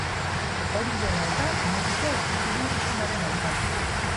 Hori dela eta, helegitea aurkeztu du isunaren aurka.